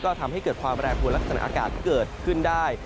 ก็ทำให้เกิดความแปรปวดลักษณะอากาศเกิดขึ้นได้